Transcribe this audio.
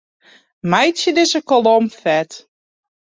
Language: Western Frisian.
Meitsje dizze kolom fet.